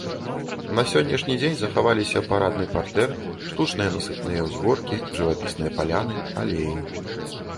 На сённяшні дзень захаваліся парадны партэр, штучныя насыпныя ўзгоркі, жывапісныя паляны, алеі.